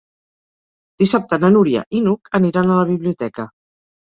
Dissabte na Núria i n'Hug aniran a la biblioteca.